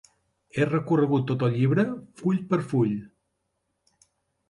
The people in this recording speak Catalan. He recorregut tot el llibre, full per full.